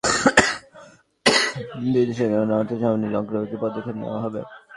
কৌশলগত অংশীদারত্বের মাধ্যমে দুই দেশের জনগণের আর্থসামাজিক অগ্রগতিতে পদক্ষেপ নেওয়া হবে।